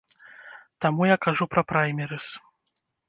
Таму я кажу пра праймерыз.